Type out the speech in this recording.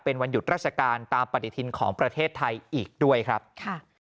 เป็นวันหยุดราชการตามปฏิทินของประเทศไทยอีกด้วยครับค่ะ